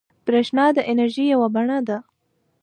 برېښنا د انرژۍ یوه بڼه ده.